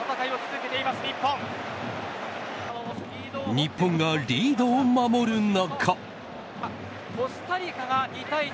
日本がリードを守る中。